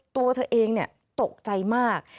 ตัวเธอเองตกใจมาก